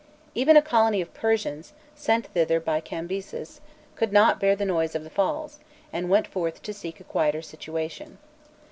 Even a colony of Persians, sent thither by Cambyses, could not bear the noise of the falls, and went forth to seek a quieter situation.